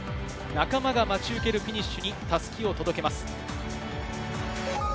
仲間が待ち受ける、フィニッシュに襷を届けます。